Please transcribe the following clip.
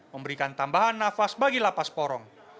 memberikan tambahan nafas bagi lapas porong